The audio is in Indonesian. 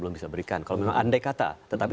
belum bisa berikan kalau memang andai kata tetapi